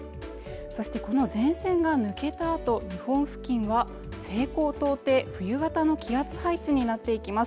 そしてこの前線が抜けたあと日本付近は西高東低、冬型の気圧配置になっていきます